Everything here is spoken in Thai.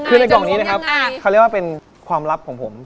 คือในกล่องนี้นะครับเขาเรียกว่าเป็นความลับของผม